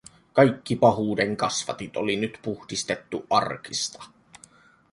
Kaikki pahuuden kasvatit oli nyt puhdistettu arkista.